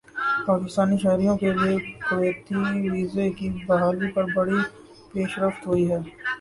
پاکستانی شہریوں کے لیے کویتی ویزے کی بحالی پر بڑی پیش رفت ہوئی ہےا